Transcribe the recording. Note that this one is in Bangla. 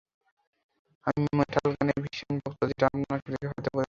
আমি মেটাল গানের ভীষণ ভক্ত, যেটা আমাকে দেখে হয়তো বোঝা যায় না।